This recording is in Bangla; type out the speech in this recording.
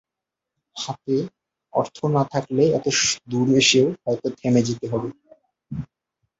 হাতে অর্থ না থাকলে এত দূর এসেও হয়তো থেমে যেতে হবে।